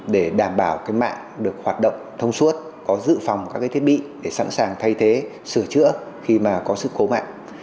để đảm bảo mạng được hoạt động thông suốt có dự phòng các thiết bị để sẵn sàng thay thế sửa chữa khi mà có sự cố mạng